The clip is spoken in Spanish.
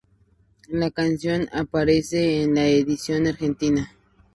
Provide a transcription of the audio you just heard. La canción aparece en la edición argentina.